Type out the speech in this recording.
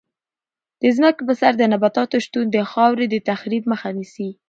د ځمکې په سر د نباتاتو شتون د خاورې د تخریب مخه نیسي.